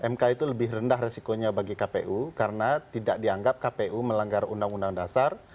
mk itu lebih rendah resikonya bagi kpu karena tidak dianggap kpu melanggar undang undang dasar